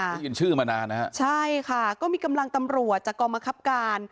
ได้ยินชื่อมานานนะฮะใช่ค่ะก็มีกำลังตำรวจจากกองบังคับการ